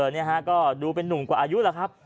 นี่ก็ดูเป็นหนุ่มกว่าอายุหรือครับ